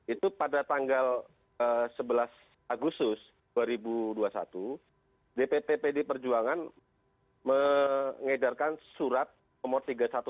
itu pada tanggal sebelas agustus dua ribu dua puluh satu dpp pd perjuangan mengedarkan surat nomor tiga ribu satu ratus tiga puluh empat